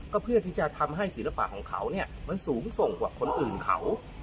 ก็เพื่อที่จะทำให้ศิลปะของเขาเนี่ยมันสูงส่งกว่าคนอื่นเขา